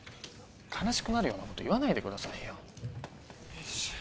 悲しくなるようなこと言わないでくださいよ